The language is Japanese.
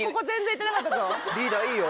リーダーいいよ。